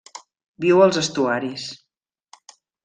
Viu als estuaris.